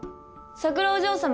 桜お嬢様